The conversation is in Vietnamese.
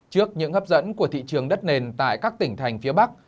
trước những hấp dẫn của thị trường đất nền tại các tỉnh thành phía bắc